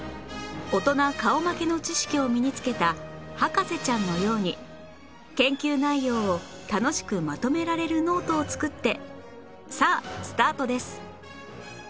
大人顔負けの知識を身につけた博士ちゃんのように研究内容を楽しくまとめられるノートを作ってさあスタートです